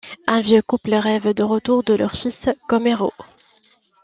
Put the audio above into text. Un vieux couple rêve du retour de leur fils comme héros.